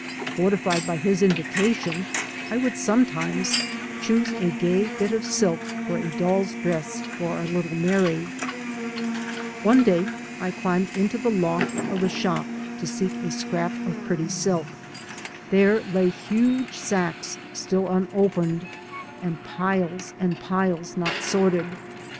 Fortified by his invitation I 3 by Google MY MOTHER AND I would sometimes choose a gay bit of silk for a doll's dress for our tittle Mary. One day I climbed into die loft of the shop to seek a scrap of pretty stik. There lay huge sacks still unopened, and piles and piles not sorted.